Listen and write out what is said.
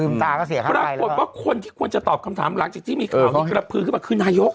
มีคนที่ควรจะตอบข้อมูลของหลักมีข่าวพื้นขึ้นมาคือนายก